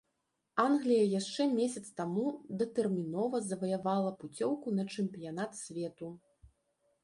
Англія яшчэ месяц таму датэрмінова заваявала пуцёўку на чэмпіянат свету.